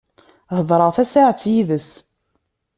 Hedreɣ tasaεet yid-s.